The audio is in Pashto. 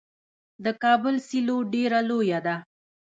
د کابل سیلو ډیره لویه ده.